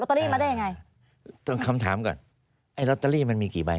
เตอรี่มาได้ยังไงต้องคำถามก่อนไอ้ลอตเตอรี่มันมีกี่ใบ